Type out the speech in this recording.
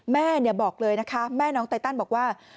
แม่บอกเลยนะคะแม่น้องไตตันบอกว่า